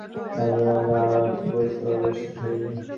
এখন এই মতবাদটি আমাদের আরও একটু পরিষ্কারভাবে বুঝিতে হইবে।